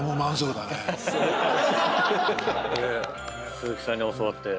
鈴木さんに教わって。